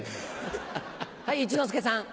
はい一之輔さん。